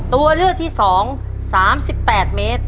ตัวเลือกที่๒๓๘เมตร